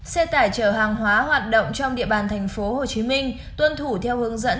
xe tải chở hàng hóa hoạt động trong địa bàn tp hcm tuân thủ theo hướng dẫn